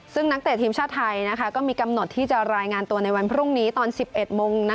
ซึ่งนักเตะทีมชาติไทยก็มีกำหนดที่จะรายงานตัวในวันพรุ่งนี้ตอน๑๑โมง